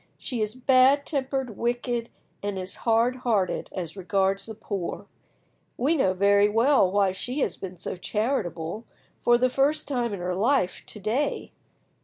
She is bad tempered, wicked, and is hard hearted as regards the poor. We know very well why she has been so charitable, for the first time in her life, to day.